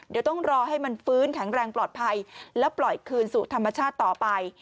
เดี๋ยวต้องรอให้มันฟื้นแข็งแรงปลอดภัยแล้วปล่อยคืนสู่ธรรมชาติต่อไป